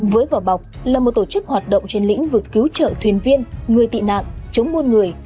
với vỏ bọc là một tổ chức hoạt động trên lĩnh vực cứu trợ thuyền viên người tị nạn chống muôn người